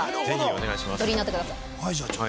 お取りになってください。